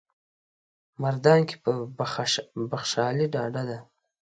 په مردان کې پر بخشالي ډاډه ده.